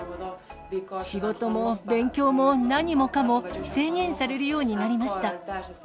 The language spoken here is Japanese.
仕事も勉強も何もかも制限されるようになりました。